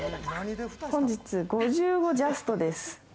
本日、５５ジャストです。